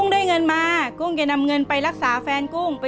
เปลี่ยนเพลงเพลงเก่งของคุณและข้ามผิดได้๑คำ